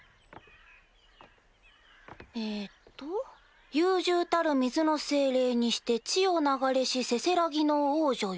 えっと優柔たる水の精霊にして地を流れしせせらぎの王女よ。